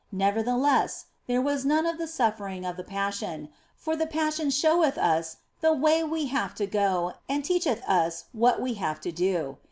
Never theless, there was none of the suffering of the Passion, for the Passion showeth us the way we have to go and teacheth us what we have to do.